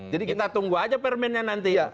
jadi kita tunggu aja permennya nanti